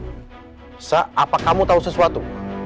bisa apa kamu tahu sesuatu